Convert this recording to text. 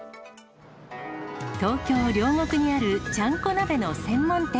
東京・両国にある、ちゃんこ鍋の専門店。